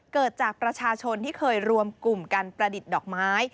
เกิดจากประชาชนที่เคยรวมกลุ่มการประดิษฐ์ดอกไม้